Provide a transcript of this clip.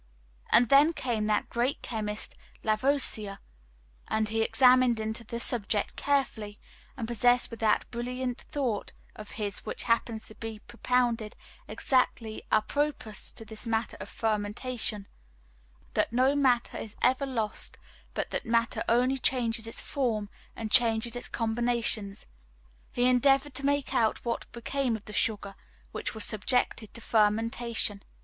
And then came that great chemist Lavoisier, and he examined into the subject carefully, and possessed with that brilliant thought of his which happens to be propounded exactly apropos to this matter of fermentation that no matter is ever lost, but that matter only changes its form and changes its combinations he endeavoured to make out what became of the sugar which was subjected to fermentation.